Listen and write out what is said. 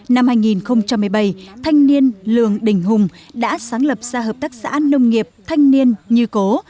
năm hai nghìn một mươi bảy thanh niên lương đình hùng đã sáng lập ra hợp tác xã nông nghiệp thanh niên như cố